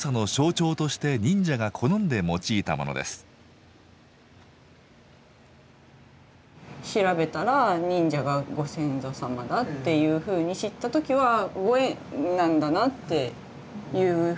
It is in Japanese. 調べたら忍者がご先祖様だっていうふうに知った時はご縁なんだなっていうふうに思いましたね。